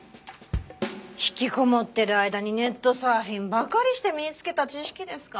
ひきこもってる間にネットサーフィンばかりして身につけた知識ですか。